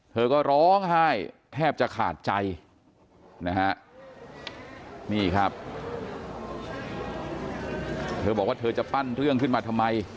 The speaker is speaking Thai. เธอก็ร้องไห้แทบจะขาดใจนะฮะนี่ครับเธอบอกว่าเธอจะปั้นเรื่องขึ้นมาทำไม